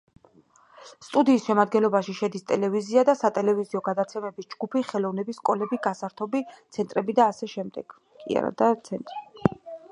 სტუდიის შემადგენლობაში შედის ტელევიზია და სატელევიზიო გადაცემების ჯგუფი, ხელოვნების სკოლები, გასართობი ცენტრები.